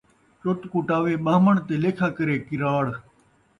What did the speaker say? چُت کُٹاوے ٻاہمݨ تے لیکھا کرے کراڑ